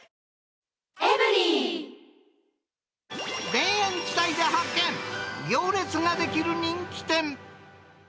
田園地帯で発見、行列が出来る人気店。